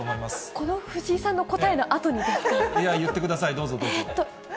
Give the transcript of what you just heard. この藤井さんの答えのあとにいや、言ってください、えーっと。